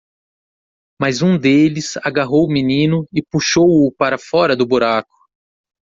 Mas um deles agarrou o menino e puxou-o para fora do buraco.